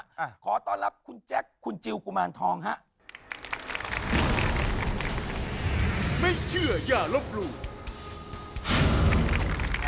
แจ๊คจิลวันนี้เขาสองคนไม่ได้มามูเรื่องกุมาทองอย่างเดียวแต่ว่าจะมาเล่าเรื่องประสบการณ์นะครับ